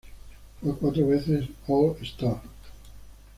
Fue cuatro veces All-Star.